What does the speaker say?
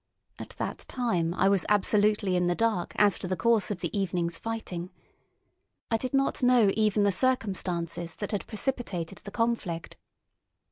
At that time I was absolutely in the dark as to the course of the evening's fighting. I did not know even the circumstances that had precipitated the conflict.